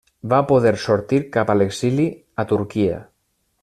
Va poder sortir cap a l'exili a Turquia.